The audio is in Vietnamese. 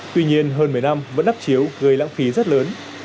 tuy nhiên hơn một mươi năm vẫn đắp chiếu gây lãng phí rất lớn